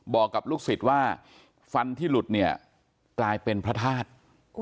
บอกกับลูกศิษย์ว่าฟันที่หลุดเนี่ยกลายเป็นพระธาตุ